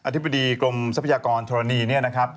ธิบดีกรมทรัพยากรธรณีเนี่ยนะครับ